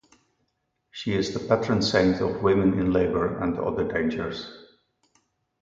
She is the patron saint of women in labor and other dangers.